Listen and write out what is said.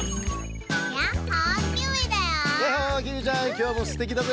きょうもすてきだね。